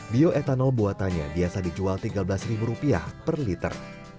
bioetanol buatannya biasa dijual tiga belas per liter